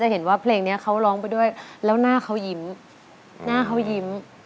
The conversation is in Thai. หน้าเขายิ้ม